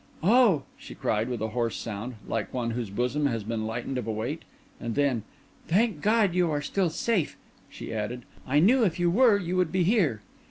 "Oh!" she cried, with a hoarse sound, like one whose bosom has been lightened of a weight. And then, "Thank God you are still safe!" she added; "I knew, if you were, you would be here."